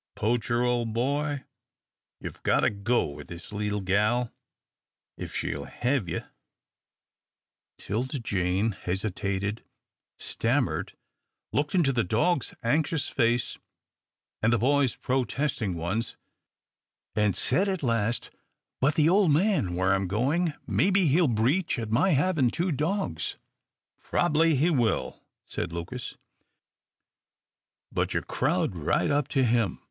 Poacher, ole boy, you've got to go with this leetle gal, if she'll hev you." 'Tilda Jane hesitated, stammered, looked into the dog's anxious face, and the boys' protesting ones, and said at last, "But the ole man where I'm goin', mebbe he'll breach at my havin' two dogs." "Prob'bly he will," said Lucas, "but you crowd right up to him.